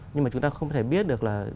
nhưng mà chúng ta không thể biết được là